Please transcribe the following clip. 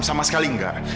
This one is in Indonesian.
sama sekali enggak